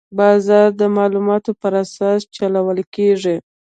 بازار د معلوماتو پر اساس چلول کېږي.